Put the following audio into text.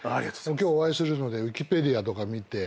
今日お会いするのでウィキペディアとか見て。